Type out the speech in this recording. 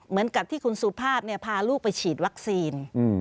เหมือนกับที่คุณสุภาพพาลูกไปฉีดวัคซีน